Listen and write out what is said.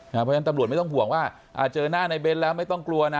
เพราะฉะนั้นตำรวจไม่ต้องห่วงว่าเจอหน้าในเน้นแล้วไม่ต้องกลัวนะ